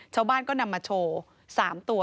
ชาวบ้านก็นำมาโชว์๓ตัว